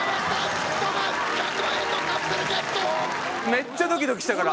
めっちゃドキドキしたから。